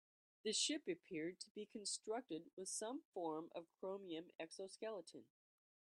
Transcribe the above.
The ship appeared to be constructed with some form of chromium exoskeleton.